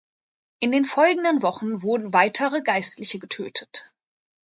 In den folgenden Wochen wurden weitere Geistliche getötet.